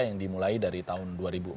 yang dimulai dari tahun dua ribu empat